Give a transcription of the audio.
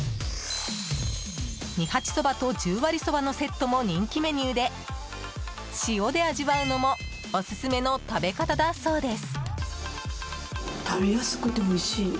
二八そばと十割そばのセットも人気メニューで塩で味わうのもオススメの食べ方だそうです。